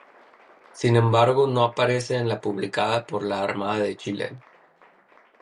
Sin embargo no aparece en la publicada por la Armada de Chile.